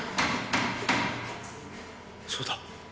そうだ。